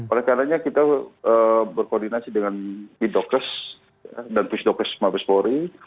oleh karena kita berkoordinasi dengan bidokus dan pusdokus mabes polri